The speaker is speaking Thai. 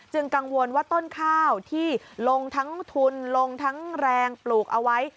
กังวลว่าต้นข้าวที่ลงทั้งทุนลงทั้งแรงปลูกเอาไว้